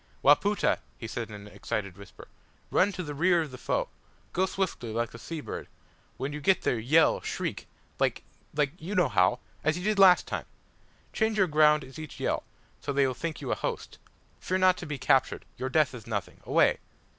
"Wapoota!" he said in an excited whisper, "run to the rear of the foe. Go swiftly, like the sea bird. When you get there, yell, shriek like like you know how! As you did last time! Change your ground at each yell so they will think you a host. Fear not to be captured. Your death is nothing. Away!"